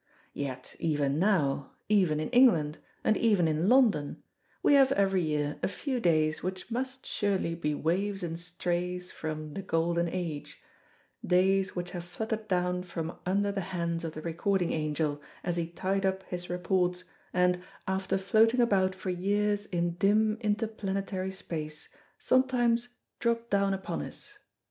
Yet even now, even in England, and even in London, we have every year a few days which must surely be waifs and strays from the golden age, days which have fluttered down from under the hands of the recording angel, as he tied up his reports, and, after floating about for years in dim, interplanetary space, sometimes drop down upon us.